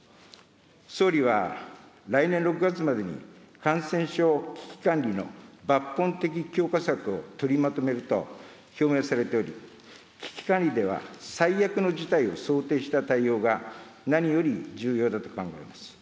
総理は、来年６月までに感染症危機管理の抜本的強化策を取りまとめると表明されており、危機管理では最悪の事態を想定した対応が何より重要だと考えます。